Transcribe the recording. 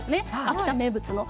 秋田名物の。